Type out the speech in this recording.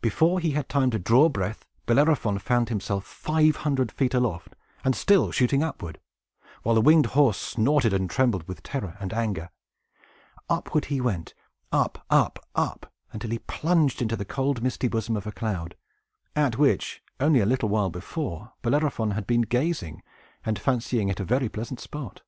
Before he had time to draw a breath, Bellerophon found himself five hundred feet aloft, and still shooting upward, while the winged horse snorted and trembled with terror and anger. Upward he went, up, up, up, until he plunged into the cold misty bosom of a cloud, at which, only a little while before, Bellerophon had been gazing, and fancying it a very pleasant spot.